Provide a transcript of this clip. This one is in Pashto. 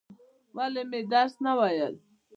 ولې مې درس نه وایل؟